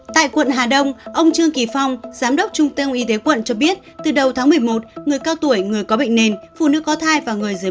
tại quận hà đông ông trương kỳ phong giám đốc trung tâm y tế quận cho biết từ đầu tháng một mươi một người cao tuổi người có bệnh nền phụ nữ có thai và người dưới một mươi